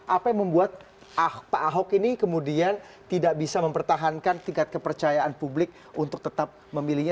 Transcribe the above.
apa yang membuat pak ahok ini kemudian tidak bisa mempertahankan tingkat kepercayaan publik untuk tetap memilihnya